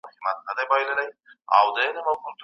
د تعلیم اړتیا په ټولو لوړتیاوو او درجو کي موجوده ده.